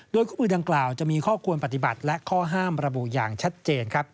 โดยคู่มือดังกล่าวจะมีข้อควรปฏิบัติและข้อห้ามระบุอย่างชัดเจน